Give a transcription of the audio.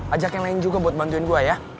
ajak yang lain juga buat bantuin gue ya